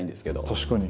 確かに。